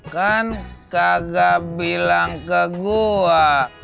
kan kagak bilang ke gua